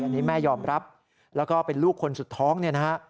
อันนี้แม่ยอมรับแล้วก็เป็นลูกคนสุดท้องเนี่ยนะฮะ